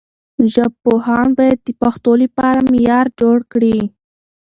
ژبپوهان باید د پښتو لپاره معیار جوړ کړي.